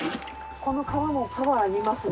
この川もパワーありますね。